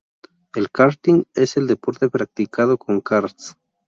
El karting es el deporte practicado con karts.